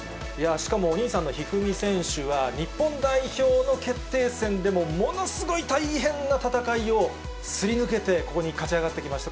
しかもお兄さんの一二三選手は、日本代表の決定戦でもものすごい大変な戦いをすり抜けて、ここに勝ち上がってきました。